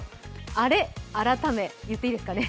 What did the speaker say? アレ、改め、言っていいですかね